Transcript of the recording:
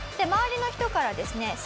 周りの人からですね